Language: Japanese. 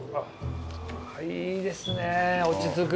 いいですね落ち着く。